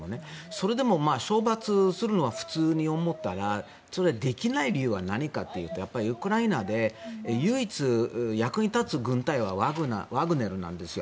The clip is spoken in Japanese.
それでも処罰するのは普通に思ったらできない理由は何かというとウクライナで唯一役に立つ軍隊はワグネルなんですよ。